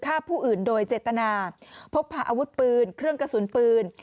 ฆ่าผู้อื่นโดยเจตนาพกพาอาวุธปืนเครื่องกระสุนปืน